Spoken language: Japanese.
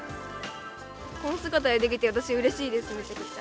この姿でできて、私、うれしいです、めちゃくちゃ。